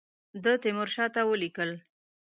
ده تیمورشاه ته ولیکل.